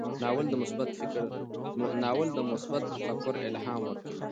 ناول د مثبت تفکر الهام ورکوي.